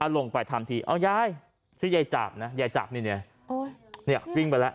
ลงไปทำทีเอายายชื่อยายจับนะยายจับนี่วิ่งไปแล้ว